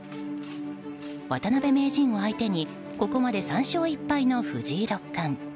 渡辺名人を相手にここまで３勝１敗の藤井六冠。